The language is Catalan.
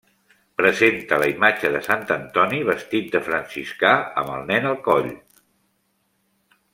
Presenta la imatge de Sant Antoni vestit de franciscà amb el Nen a coll.